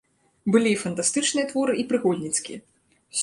Былі і фантастычныя творы, і прыгодніцкія.